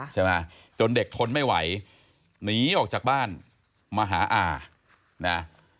จนเด็กทนไม่ไหวหนีออกจากบ้านมาหาอา